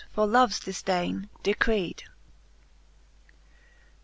\ For loves difdaine decreed. .